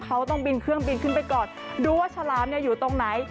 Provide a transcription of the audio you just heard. เขาต้องบินเครื่องบินขึ้นไปก่อนดูว่าฉลามเนี่ยอยู่ตรงไหน